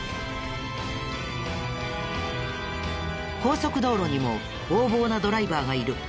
高速道路にも横暴なドライバーがいる。